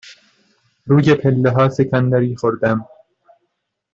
روی پله ها سکندری خوردم.